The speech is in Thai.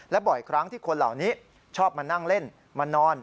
บ่อยครั้งที่คนเหล่านี้ชอบมานั่งเล่นมานอน